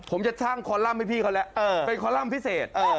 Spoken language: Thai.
ผมจะไอ้พี่ครับเออเป็นคอลัมป์พิเศษเออ